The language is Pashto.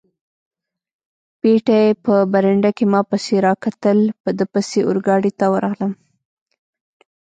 پېټی په برنډه کې ما پسې را کتل، په ده پسې اورګاډي ته ورغلم.